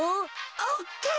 オッケー。